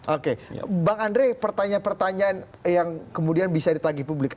oke bang andre pertanyaan pertanyaan yang kemudian bisa ditagih publik